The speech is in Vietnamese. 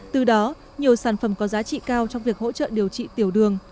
từ đó nhiều sản phẩm có giá trị cao trong việc hỗ trợ điều trị tiểu đường